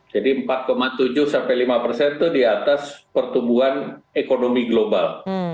jadi empat tujuh sampai lima persen itu di atas pertumbuhan ekonomi global